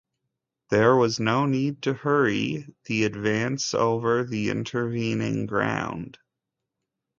There was no need to hurry the advance over the intervening ground.